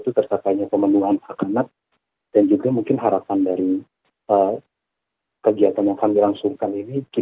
itu tercapainya pemenuhan hak hak anak dan juga mungkin harapan dari kegiatan yang akan dirangsungkan ini